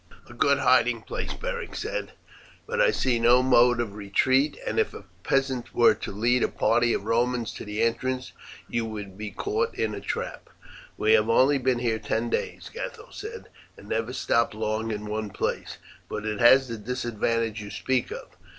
"A good hiding place," Beric said, "but I see no mode of retreat, and if a peasant were to lead a party of Romans to the entrance you would be caught in a trap." "We have only been here ten days," Gatho said, "and never stop long in one place; but it has the disadvantage you speak of.